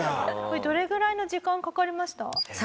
これどれぐらいの時間かかりました？